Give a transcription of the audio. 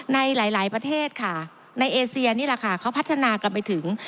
ในหลายประเทศในเอเซียเขาพัฒนากันไปถึง